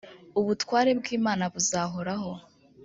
ubutware bw’imana buzahoraho